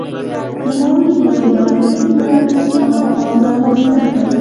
نوموړي نوې دولتي بیروکراسي او پوځ رامنځته کړل.